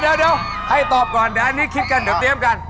เดี๋ยวให้ตอบก่อนเดี๋ยวอันนี้คิดกันเดี๋ยวเตรียมกัน